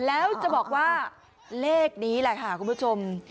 แล้วจะบอกว่าเลขนี้แหละค่ะคุณผู้ชม